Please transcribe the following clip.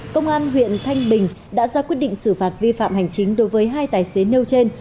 công an huyện thanh bình đã ra quyết định xử phạt vi phạm hành chính đối với hai tài xế nêu trên